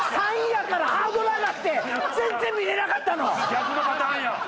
逆のパターンや！